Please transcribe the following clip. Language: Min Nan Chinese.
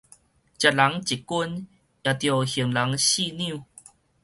食人一斤，也著還人四兩